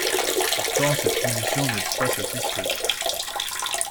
Pourtant, cette condition n’est pas satisfaite.